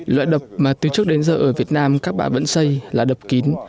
loại đập mà từ trước đến giờ ở việt nam các bạn vẫn xây là đập kín